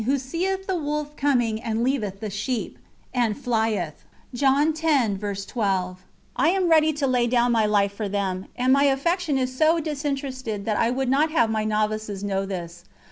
. who seeth the wolf coming and leaveth the sheep, and flieth." I am ready to lay down my life for them, and my affection is so disinterested that I would not have my novices know this.